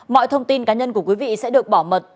mọi thông tin cá nhân của quý vị sẽ được bảo mật